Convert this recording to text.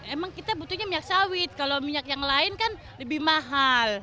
emang kita butuhnya minyak sawit kalau minyak yang lain kan lebih mahal